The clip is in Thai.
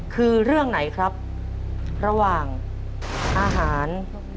คือเรื่องไหนครับระหว่างอาหาร